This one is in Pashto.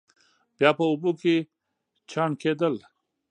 بیا په اوبو کې چاڼ کېدل.